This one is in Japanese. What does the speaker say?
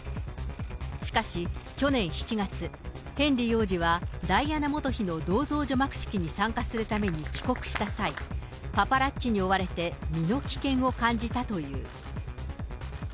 しかし、去年７月、ヘンリー王子はダイアナ元妃の銅像除幕式に参加するために帰国した際、パパラッチに追われて身の危険を感じたという。